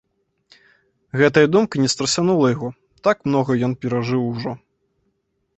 Гэтая думка не страсянула яго, так многа ён перажыў ужо.